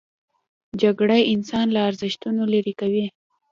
جګړه انسان له ارزښتونو لیرې کوي